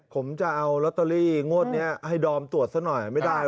ผมจะเอาลอตเตอรี่งวดนี้ให้ดอมตรวจซะหน่อยไม่ได้